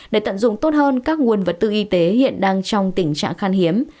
để tận dụng tốt hơn các nguồn vật tư y tế hiện đang trong tình trạng khan hiếm